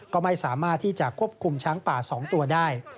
ก็ไม่สามารถที่จะควบคุมช้างป่า๒ตัวได้